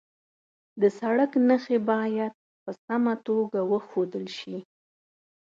د سړک نښې باید په سمه توګه وښودل شي.